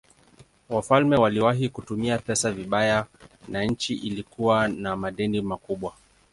Wafalme waliwahi kutumia pesa vibaya na nchi ilikuwa na madeni makubwa.